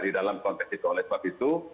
di dalam konteks itu oleh sebab itu